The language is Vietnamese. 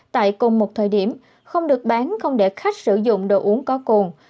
tại cùng một thời điểm không được bán không để khách sử dụng đồ uống có cồn